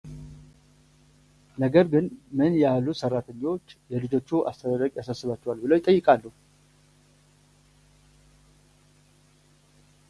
ነገር ግን ምን ያህሉ ሠራተኞች የልጆቹ አስተዳደግ ያሳስባቸዋል ብለው ይጠይቃሉ።